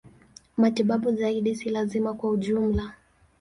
Matibabu zaidi si lazima kwa ujumla.